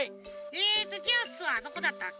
えっとジュースはどこだったっけ？